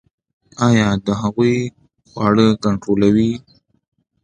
ایا د هغوی خواړه کنټرولوئ؟